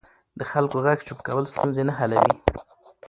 د خلکو غږ چوپ کول ستونزې نه حلوي